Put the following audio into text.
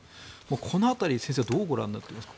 この辺り、先生はどうご覧になってますか。